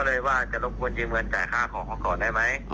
เลยว่าจะรบกวนยืมเงินจ่ายค่าของเขาก่อนได้ไหม